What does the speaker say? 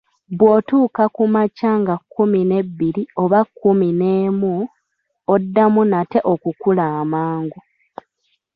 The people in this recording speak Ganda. Bw'otuuka ku myaka nga kkumi n'ebiri oba kkumi n'ena, oddamu nate okukula amangu.